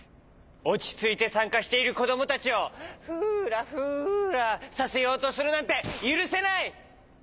おちついてさんかしているこどもたちをフラフラさせようとするなんてゆるせない！